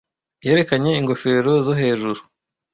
yerekanye Ingofero zo hejuru